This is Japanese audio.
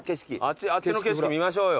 あっちの景色見ましょうよ